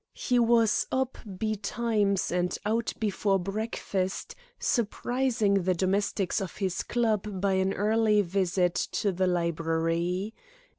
He was up betimes and out before breakfast, surprising the domestics of his club by an early visit to the library.